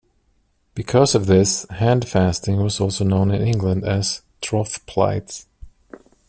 Because of this, handfasting was also known in England as "troth-plight".